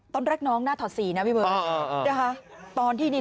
ตอนแรกน้องหน้าถอด๔นะพี่๖